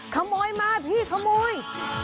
ขโมยมาพี่ขโมย